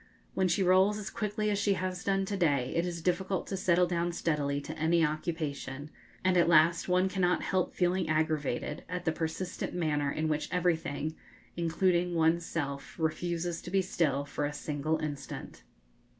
When she rolls as quickly as she has done to day, it is difficult to settle down steadily to any occupation, and at last one cannot help feeling aggravated at the persistent manner in which everything, including one's self, refuses to be still for a single instant.